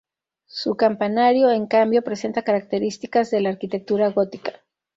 Su campanario, en cambio, presenta características de la arquitectura gótica.